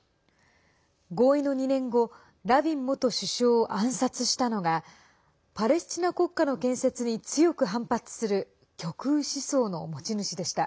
合意の２年後ラビン元首相を暗殺したのがパレスチナ国家の建設に強く反発する極右思想の持ち主でした。